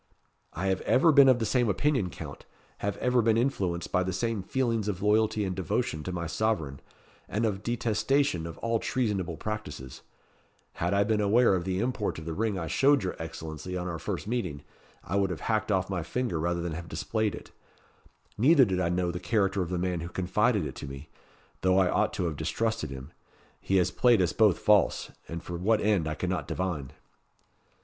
"I have ever been of the same opinion, Count; have ever been influenced by the same feelings of loyalty and devotion to my sovereign, and of detestation of all treasonable practices. Had I been aware of the import of the ring I showed your Excellency on our first meeting, I would have hacked off my finger rather than have displayed it. Neither did I know the character of the man who confided it to me; though I ought to have distrusted him. He has played us both false, and for what end I cannot divine."